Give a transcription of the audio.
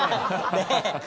ねえ！